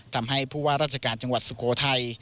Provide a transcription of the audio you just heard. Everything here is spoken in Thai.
ทำให้ผู้ว่าราชการจังหวัดสุโขทัย